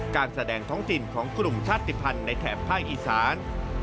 การแสดงท้องถิ่นของกลุ่มชาติภัณฑ์ในแถบภาคอีสาน